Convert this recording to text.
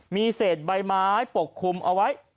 มีเศษใบไม้ปกคลุมเอาไว้